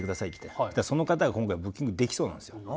そしたらその方が今回ブッキングできそうなんですよ。